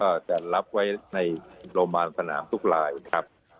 ก็จะรับไว้ในโรงพยาบาลสนามทุกลายนะครับ